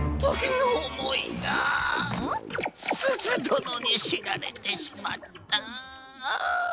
すずどのにしられてしまった！？